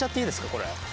これ。